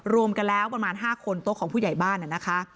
รวมกันแล้วประมาณ๕คนโต๊ะของผู้ใหญ่บ้านนะคะ